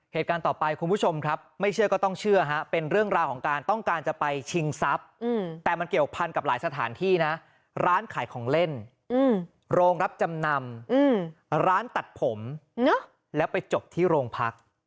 เหตุการณ์ต่อไปคุณผู้ชมครับไม่เชื่อก็ต้องเชื่อฮะเป็นเรื่องราวของการต้องการจะไปชิงทรัพย์แต่มันเกี่ยวพันกับหลายสถานที่นะร้านขายของเล่นโรงรับจำนำร้านตัดผมแล้วไปจบที่โรงพัก